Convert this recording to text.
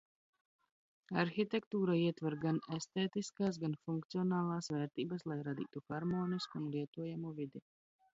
Arhitektūra ietver gan estētiskās, gan funkcionālās vērtības, lai radītu harmonisku un lietojamu vidi.